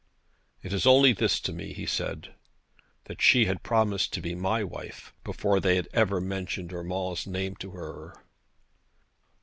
'It is only this to me,' he said, 'that she had promised to be my wife, before they had ever mentioned Urmand's name to her.'